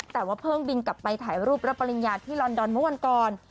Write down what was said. แต่ว่าเพิ่งบินกลับไปถ่ายรูปรับปริญญาที่ลอนดอนเมื่อวันก่อน